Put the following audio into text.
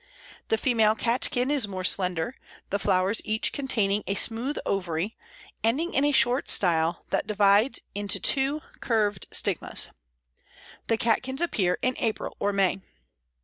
The female catkin is more slender, the flowers each containing a smooth ovary, ending in a short style that divides into two curved stigmas. The catkins appear in April or May.